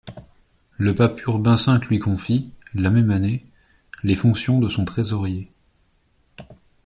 Le pape Urbain V lui confie, la même année, les fonctions de son trésorier.